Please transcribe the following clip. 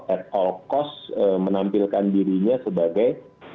at all cost menampilkan dirinya sebagai